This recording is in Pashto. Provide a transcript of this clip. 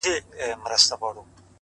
هره ورځ یو نوی درس لري’